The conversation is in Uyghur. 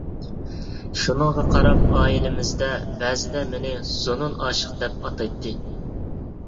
شۇنىڭغا قاراپ ئائىلىمىزدە بەزىدە مېنى «زۇنۇن ئاشىق» دەپ ئاتايتتى.